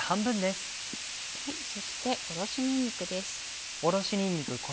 そしておろしにんにくです。